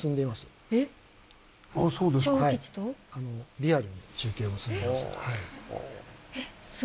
リアルに中継を結んでます。